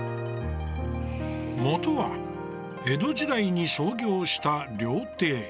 元は、江戸時代に創業した料亭。